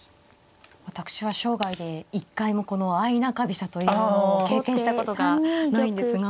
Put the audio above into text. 私は生涯で一回もこの相中飛車というのを経験したことがないんですが。